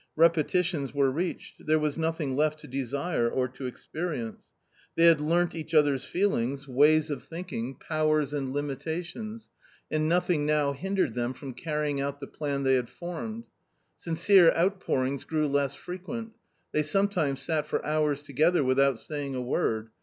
Repetitions were reached. There was nothing left to desire or to experience. They had learnt each other's feelings, ways of think 184 A COMMON STORY m & powers and limitations, and nothing now hindered them from carrying out the plan they had formed. Sincere outpourings grew less frequent. They sometimes sat for hours together without saying a word.